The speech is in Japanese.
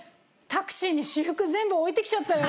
タクシーに私服全部置いてきちゃったよ。